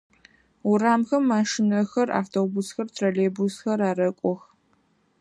Урамхэм машинэхэр, автобусхэр, троллейбусхэр арэкӏох.